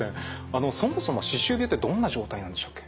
そもそも歯周病ってどんな状態なんでしたっけ？